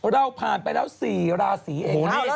เราผ่านไปเหล้าสี่ราศีเอง